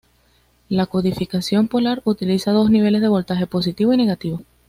La codificación polar utiliza dos niveles de voltaje, positivo y negativo.